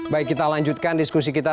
baik kita lanjutkan diskusi kita